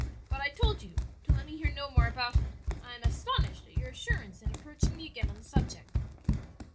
"But I told you to let me hear no more about it. I am astonished at your assurance in approaching me again on the subject."